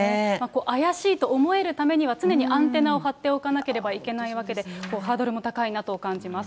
怪しいと思えるためには、常にアンテナを張っておかなければいけないわけで、ハードルも高いなと感じます。